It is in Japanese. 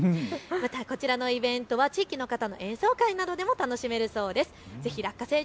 こちらのイベントは地域の方の演奏会なども楽しめるそうです。